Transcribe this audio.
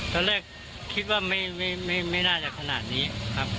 ตอนแรกคิดว่าไม่น่าจะขนาดนี้ครับ